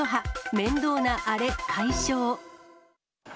面倒なあれ解消。